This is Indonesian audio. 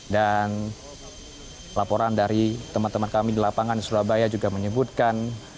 dan laporan dari teman teman kami di lapangan di surabaya juga menyebutkan